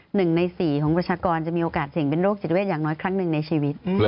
หนึ่งในสี่ของประชากรจะมีโอกาสเสี่ยงเป็นโรคจิตเวทอย่างน้อยครั้งหนึ่งในชีวิต